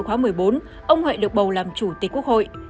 tháng ba năm hai nghìn một mươi một ông huệ được bầu làm chủ tịch quốc hội